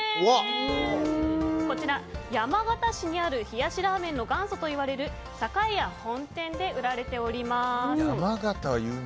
こちら山形市にある冷やしラーメンの元祖といわれる栄屋本店で売られております。